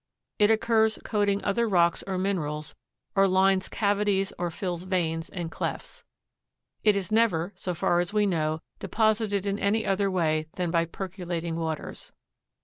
It occurs coating other rocks or minerals or lines cavities or fills veins and clefts. It is never, so far as we know, deposited in any other way than by percolating waters.